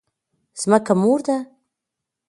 ځمکه مور ده؟